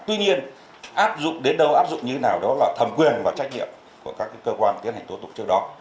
tuy nhiên áp dụng đến đâu áp dụng như thế nào đó là thẩm quyền và trách nhiệm của các cơ quan tiến hành tố tụng trước đó